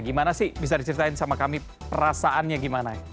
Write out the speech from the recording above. gimana sih bisa diceritain sama kami perasaannya gimana